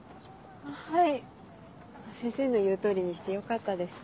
はい先生の言う通りにしてよかったです。